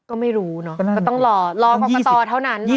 ก็ไม่รู้เนอะก็ต้องรอรอกรกตเท่านั้น